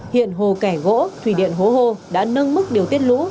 hiện hồ kẻ gỗ thủy điện hố hô đã nâng mức điều tiết lũ